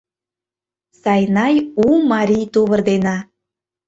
Сайнай у марий тувыр дене.